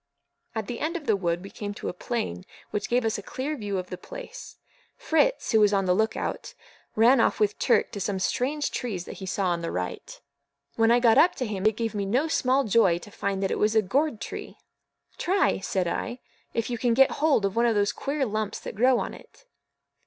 At the end of the wood we came to a plain which gave us a clear view of the place. Fritz, who was on the look out, ran off with Turk to some strange trees that he saw on the right. When I got up to him, it gave me no small joy to find that it was a gourd tree. "Try," said I, "if you can get hold of one of those queer lumps that grow on it."